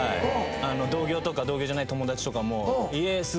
同業とか同業じゃない友達とかも。